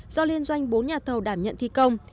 do liên doanh bốn nhà thầu đảm nhận thi công